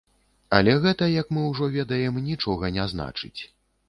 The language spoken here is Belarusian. Але гэта, як мы ўжо ведаем, нічога не значыць.